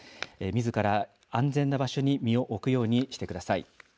みずから安全な場所に身を置くようにしてください。